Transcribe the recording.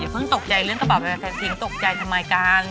เพิ่งตกใจเรื่องกระเป๋าแฟนทิ้งตกใจทำไมกัน